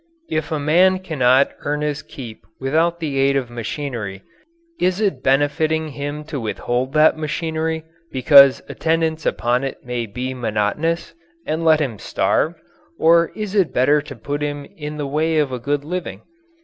If a man cannot earn his keep without the aid of machinery, is it benefiting him to withhold that machinery because attendance upon it may be monotonous? And let him starve? Or is it better to put him in the way of a good living?